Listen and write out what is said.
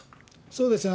そうですね。